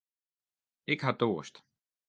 Ik ha toarst.